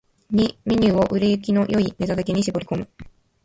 ⅱ メニューを売れ行きの良いネタだけに絞り込む